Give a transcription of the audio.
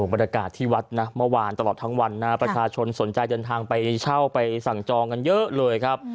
บรรยากาศที่วัดนะเมื่อวานตลอดทั้งวันนะประชาชนสนใจเดินทางไปเช่าไปสั่งจองกันเยอะเลยครับ